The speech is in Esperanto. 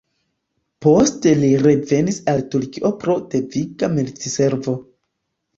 Poste li revenis al Turkio pro deviga militservo.